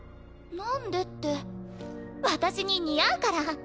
なんでって私に似合うから。